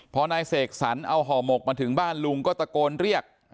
พอนายเสกสรรเอาห่อหมกมาถึงบ้านลุงก็ตะโกนเรียก